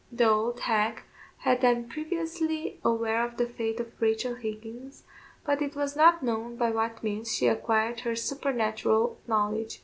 The old hag had been previously aware of the fate of Rachel Higgins, but it was not known by what means she acquired her supernatural knowledge.